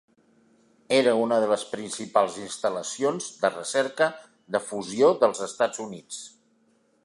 Era una de les principals instal·lacions de recerca de fusió dels Estats Units.